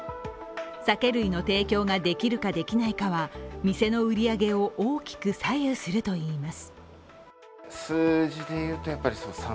酒類の提供ができるかできないかは、店の売り上げを大きく左右するといいます。